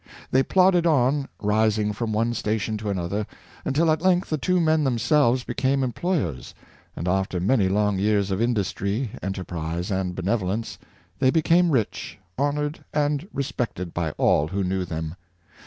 They plodded on, rising from one station to another, until at length the two men themselves became employ ers, and after manj^ long years of industry, enterprise, and benevolence, they became rich, honored and re spected by all who knew them.